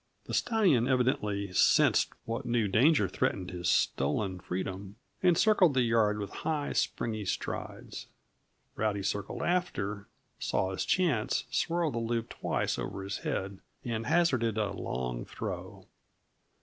The stallion evidently sensed what new danger threatened his stolen freedom, and circled the yard with high, springy strides. Rowdy circled after, saw his chance, swirled the loop twice over his head, and hazarded a long throw.